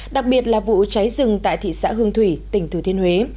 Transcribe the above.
đặc biệt là vụ cháy rừng tại thị xã hương thủy tỉnh thừa thiên huế